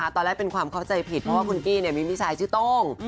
ตอนแรกเป็นความเข้าใจผิดเพราะว่าคุณกี้มีพี่ชายชื่อโต้ง